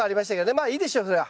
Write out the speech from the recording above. まあいいでしょうそれは。